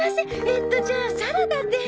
えっとじゃあサラダで。